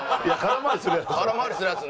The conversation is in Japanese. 空回りするやつ。